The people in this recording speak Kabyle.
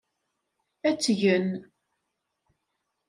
Ad tt-gen.